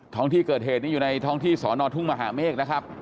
ที่เกิดเหตุนี้อยู่ในท้องที่สอนอทุ่งมหาเมฆนะครับ